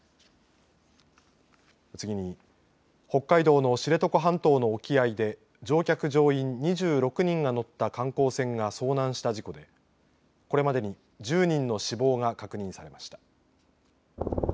次に北海道の知床半島の沖合で乗客乗員２６人が乗った観光船が遭難した事故でこれまでに１０人の死亡が確認されました。